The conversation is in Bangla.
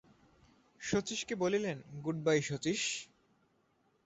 শচীশকে বলিলেন, গুডবাই শচীশ!